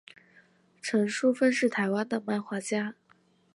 陈淑芬是台湾的漫画家。